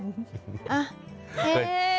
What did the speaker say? เฮ่ย